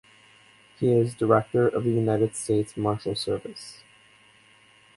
He is Director of the United States Marshals Service.